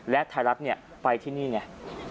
และไทยรัฐเนี่ยไปที่นี่ไง